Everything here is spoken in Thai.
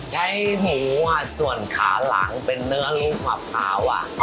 ใช้หมูส่วนขาหลังเป็นเนื้อลูกมะพร้าว